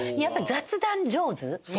やっぱり雑談上手。